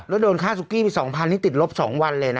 แล้วโดนค่าซุกี้ไป๒๐๐นี่ติดลบ๒วันเลยนะ